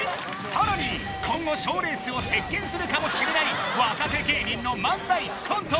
さらに今後賞レースを席巻するかもしれない若手芸人の漫才コント